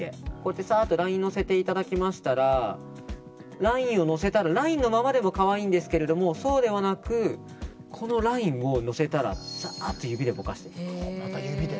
サーッとライン乗せていただきましたらラインをのせたらラインのままでも可愛いんですがそうではなくこのラインをのせたらサーッと指でぼかしていきます。